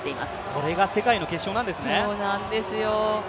これが世界の決勝なんですね。